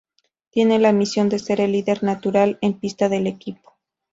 Tiene la misión de ser el líder natural en pista del equipo.